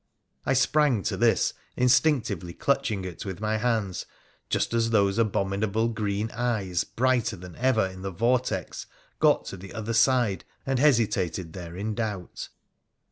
I sprang to this, instinctively clutching it with my hands, just as those abominable green eyes, brighter than ever in the vortex, got to the other side, and hesitated there in doubt.